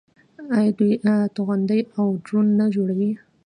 آیا دوی توغندي او ډرون نه جوړوي؟